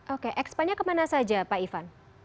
oke ekspannya kemana saja pak ivan